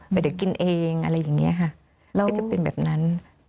เดี๋ยวกินเองอะไรอย่างนี้ค่ะก็จะเป็นแบบนั้น